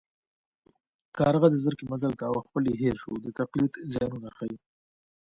کارغه د زرکې مزل کاوه خپل یې هېر شو د تقلید زیانونه ښيي